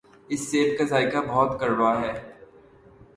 اس سیب کا ذائقہ بہت کڑوا ہے۔